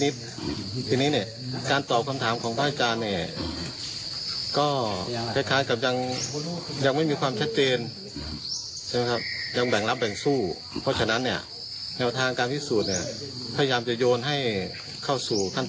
ท่านตอนทางขบบนการช่วยธรรมอย่างเดียว